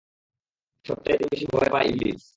সবচাইতে বেশি ভয় পায় ইবলীস।